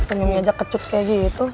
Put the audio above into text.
senyum aja kecuts kayak gitu